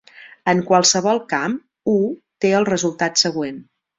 En qualsevol camp, u té el resultat següent.